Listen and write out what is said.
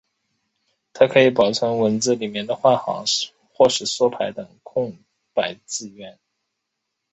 它可以保存文字里面的换行或是缩排等空白字元。